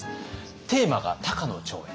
テーマが「高野長英」。